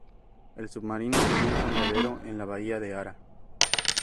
El submarino tenía el fondeadero en la bahía de Ara.